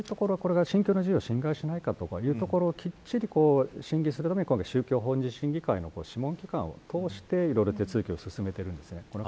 そういうところは信教の自由を侵害しないかというところを、きっちり審理するのは宗教法人審議会の諮問機関を通して手続きを進めていくんですね。